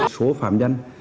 số phạm nhân